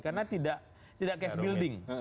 karena tidak cash building